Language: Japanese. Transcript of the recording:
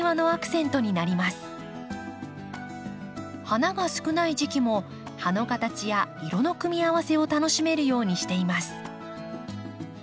花が少ない時期も葉の形や色の組み合わせを楽しめるようにしています。